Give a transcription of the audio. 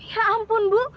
ya ampun bu